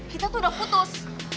kita tuh udah putus